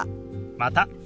また。